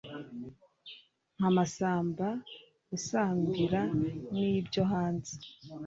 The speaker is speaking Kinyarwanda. nka masamba usambira n'ibyo hanze